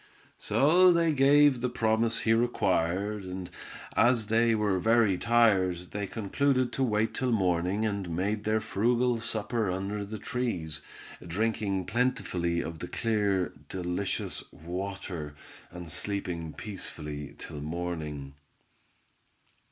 So they gave the promise he required, and as they were very tired they concluded to wait till morning and made their frugal supper under the trees, drinking plentifully of the clear, delicious water; and slept peacefully till morning.